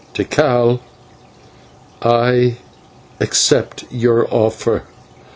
Tikal, I accept your offer.